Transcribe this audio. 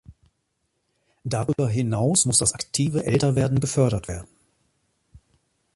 Darüber hinaus muss das aktive Älterwerden gefördert werden.